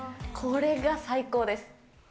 これが最高です。